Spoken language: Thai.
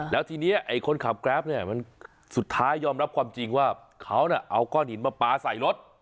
แล้วทีนี้ไอ้คนขับแกรปเนี่ยมันสุดท้ายยอมรับความจริงว่าเขาน่ะเอาก้อนหินมาปลาใส่รถ